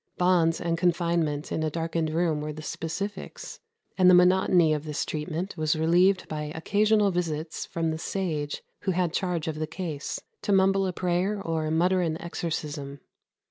Bonds and confinement in a darkened room were the specifics; and the monotony of this treatment was relieved by occasional visits from the sage who had charge of the case, to mumble a prayer or mutter an exorcism.